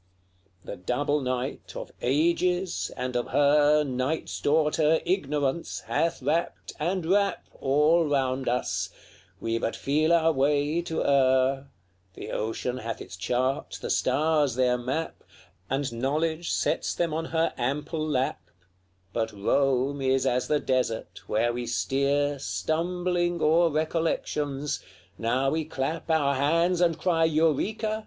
LXXXI. The double night of ages, and of her, Night's daughter, Ignorance, hath wrapt, and wrap All round us; we but feel our way to err: The ocean hath its chart, the stars their map; And knowledge spreads them on her ample lap; But Rome is as the desert, where we steer Stumbling o'er recollections: now we clap Our hands, and cry, 'Eureka!'